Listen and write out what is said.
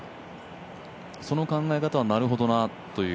その考え方はなるほどなという。